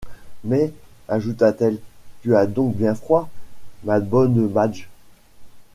Mais, ajouta-t-elle, tu as donc bien froid, ma bonne Madge ?